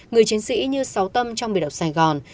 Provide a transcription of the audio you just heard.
người chiến sĩ như sáu tâm trong biệt độc sài gòn